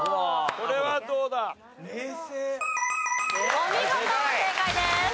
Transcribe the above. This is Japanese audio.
お見事正解です。